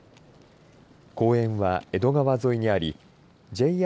公園は江戸川沿いにありＪＲ